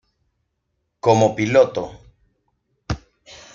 Como piloto